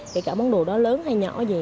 kể cả món đồ đó lớn hay nhỏ gì